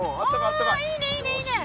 おいいねいいねいいね！